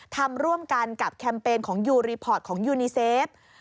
ทำร่วมกันกับแคมเปญของยูรีพอร์ตของยูนีเซฟ